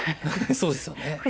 そうですよね。